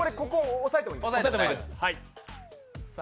押さえてもいいです。